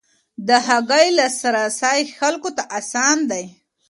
د هګۍ لاسرسی خلکو ته اسانه دی.